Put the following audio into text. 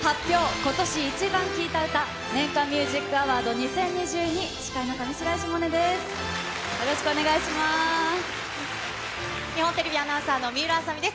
今年イチバン聴いた歌年間ミュージックアワード２０２２、司会の上白石萌音です。